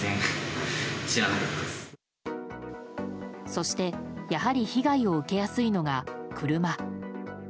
そして、やはり被害を受けやすいのが車。